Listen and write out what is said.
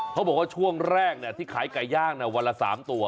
เขาบอกว่าช่วงแรกเนี่ยที่ขายไก่ย่างเนี่ยวันละ๓ตัว